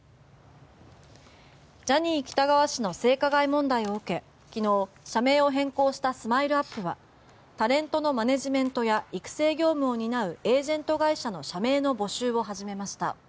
ジャニー喜多川氏の性加害問題を受け、昨日社名を変更したＳＭＩＬＥ−ＵＰ．はタレントのマネジメントや育成業務を担うエージェント会社の社名の募集を始めました。